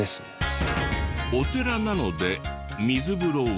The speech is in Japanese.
お寺なので水風呂は。